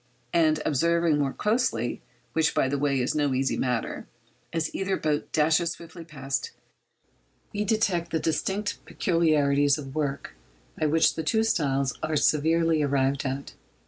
And observing more closely—which, by the way, is no easy matter—as either boat dashes swiftly past, we detect the distinctive peculiarities of 'work' by which the two styles are severally arrived at.